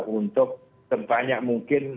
untuk sebanyak mungkin